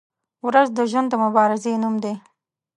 • ورځ د ژوند د مبارزې نوم دی.